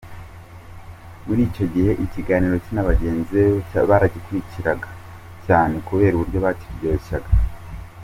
Muri icyo gihe ikiganiro cye na bagenzi be cyarakurikirwaga cyane kubera uburyo bakiryoshyaga.